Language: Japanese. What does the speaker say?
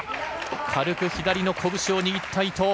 軽く左のこぶしを握った伊藤。